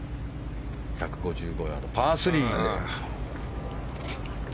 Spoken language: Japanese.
１５５ヤード、パー３。